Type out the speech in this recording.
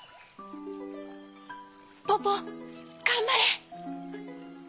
ポポがんばれ！